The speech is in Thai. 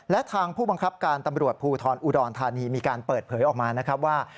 และทางผู้บังคับการตำรวจภูทรอุดรธานีมีการเปิดเผยออกมานะครับว่า